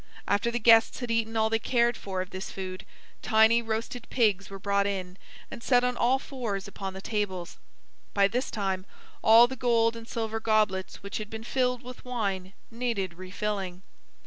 After the guests had eaten all they cared for of this food, tiny roasted pigs were brought in, and set on all fours upon the tables. By this time, all the gold and silver goblets which had been filled with wine needed refilling.